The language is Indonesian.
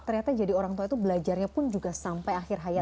ternyata jadi orang tua itu belajarnya pun juga sampai akhir hayat